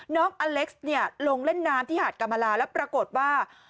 น้องอเล็กซ์เนี่ยลงเล่นน้ำที่หาดกรรมลาแล้วปรากฏว่า